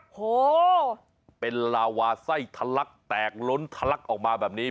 โหเป็นลาวาไส้ทะลักแตกล้นทะลักออกมาแบบนี้